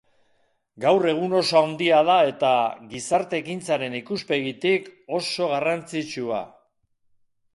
Gaur egun oso handia da eta, gizarte-ekintzaren ikuspegitik, oso garrantzitsua.